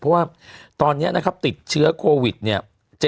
เพราะว่าตอนนี้นะครับติดเชื้อโควิดเนี่ย